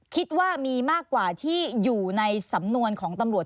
คิดว่ามีมากกว่าที่อยู่ในสำนวนของตำรวจ